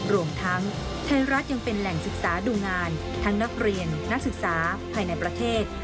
รวมทั้งไทยรัฐยังเป็นแหล่งศึกษาดูงานทั้งนักเรียนนักศึกษาภายในประเทศ